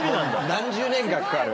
何十年間かかる。